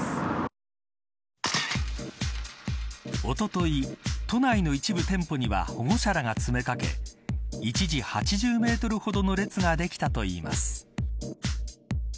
おととい、都内の一部店舗には保護者らが詰めかけ一時、８０メートルほどの列ができたといいます。